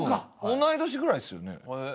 同い年ぐらいですよね。